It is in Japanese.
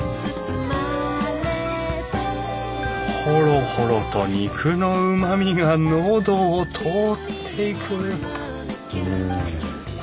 ホロホロと肉のうまみが喉を通っていくうん！